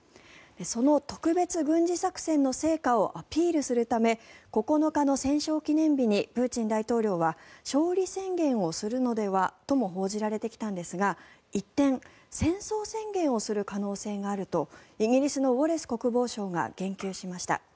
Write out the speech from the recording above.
その特別軍事作戦の成果をアピールするため９日の戦勝記念日にプーチン大統領は勝利宣言をするのではとも報じられてきたんですが、一転戦争宣言をする可能性があるとイギリスのウォレス国防相が言及しました。